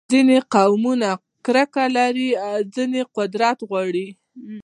ځینې قومي کرکه لري، ځینې قدرت غواړي.